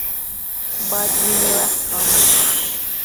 باد ځینې وخت خاموش وي